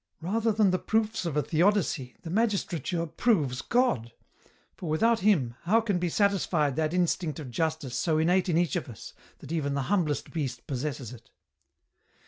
Rather than the proofs of a theodicy, the magistrature proves God ; for with out Him, how can be satisfied that instinct of justice so innate R 242 EN ROUTE. in each of us, that even the humblest beast possesses it